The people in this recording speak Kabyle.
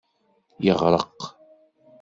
Yeɣreq.